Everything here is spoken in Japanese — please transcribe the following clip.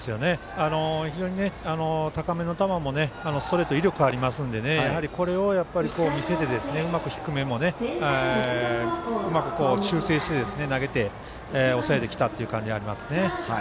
非常に高めの球もストレート威力ありますので、これを見せてうまく低めも修正して投げて抑えてきたという感じありますね。